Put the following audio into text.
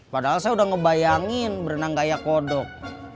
padahal saya udah ngebayangin berenang gaya kodok